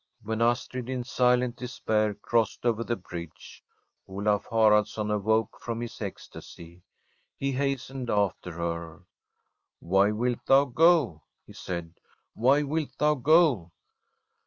When Astrid in silent despair crossed over the bridge, Olaf Haraldsson awoke from his ecstasy. He hastened after her. ' Why wilt thou go ?' he said. ' Why wilt thou go